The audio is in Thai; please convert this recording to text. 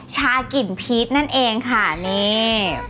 ชากลิ่นพีชนั่นเองค่ะนี่